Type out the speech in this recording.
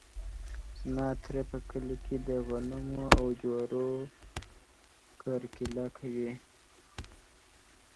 زما تره په کلي کې د غنمو او جوارو کرکیله کوي.